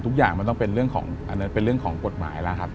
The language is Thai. ทุกอย่างมันต้องเป็นเรื่องของกฎหมายแล้วครับ